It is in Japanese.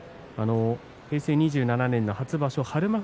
平成２７年の初場所日馬